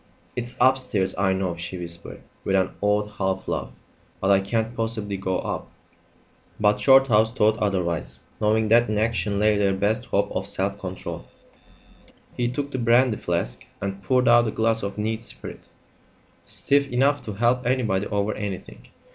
"It's upstairs, I know," she whispered, with an odd half laugh; "but I can't possibly go up." But Shorthouse thought otherwise, knowing that in action lay their best hope of self control. He took the brandy flask and poured out a glass of neat spirit, stiff enough to help anybody over anything.